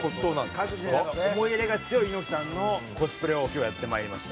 各自で思い入れが強い猪木さんのコスプレを今日はやってまいりました。